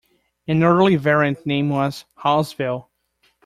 An early variant name was Hallsville.